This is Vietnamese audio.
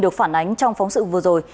được phản ánh trong phóng sự vừa rồi